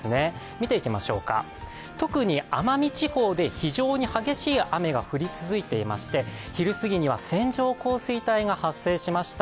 見ていきましょうか特に奄美地方で非常に激しい雨が降り続いていまして昼過ぎには線状降水帯が発生しました。